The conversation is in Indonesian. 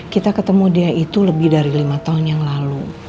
kita ketemu dia itu lebih dari lima tahun yang lalu